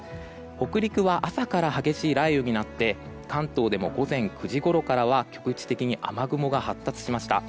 北陸は朝から激しい雷雨になって関東でも午前９時ごろからは局地的に雨雲が発達しました。